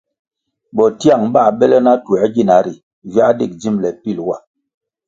Bo tiang bãh bele na tuĕr gina ri viáh dig dzimbele pil wa.